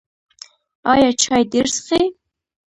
ایا چای ډیر څښئ؟